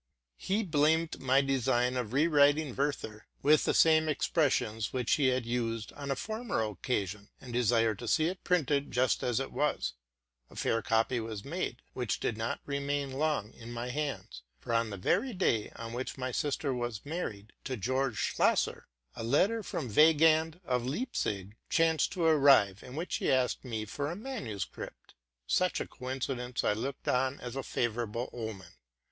He blamed my design of re writing '' Werther,"' with the same expressions which he had used on a former occasion, and desired to see it printed just as it was. <A fair copy was made, which did not remain long in my hands ; for, on the very day on which my sister was married to George Schlosser, a letter from Weygand of Leipzig chanced to arrive, in which he asked me for a manuscript: such a coin cidence I looked upon as a favorable omen.